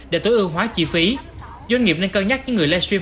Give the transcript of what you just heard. vô hóa chi phí doanh nghiệp nên cân nhắc những người live stream